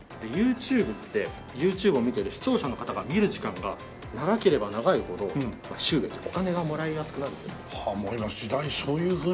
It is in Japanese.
ユーチューブってユーチューブを見ている視聴者の方が見る時間が長ければ長いほど収益お金がもらいやすくなるという。